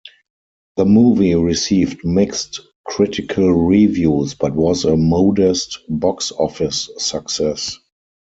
The movie received mixed critical reviews, but was a modest box office success.